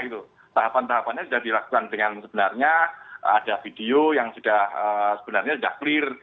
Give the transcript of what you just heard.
tahapan tahapannya sudah dilakukan dengan sebenarnya ada video yang sebenarnya sudah clear